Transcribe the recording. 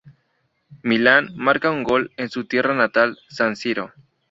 Milan marca un gol en su tierra natal, San Siro.